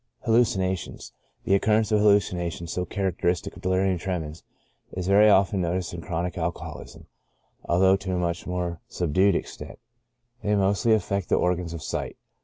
Hallucinations. — The occurrence of hallucinations, so characteristic of delirium tremens, is very often noticed in chronic alcoholism, although to a much more subdued extent. They mostly affect the organs of sight.